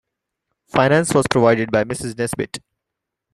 Finance was provided by a Mrs. Nesbit.